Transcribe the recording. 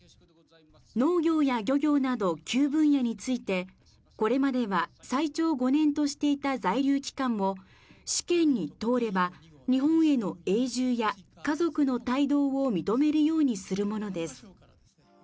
農業や漁業など９分野についてこれまでは最長５年としていた在留期間を試験に通れば日本への永住や家族の帯同を認めるようにするものです。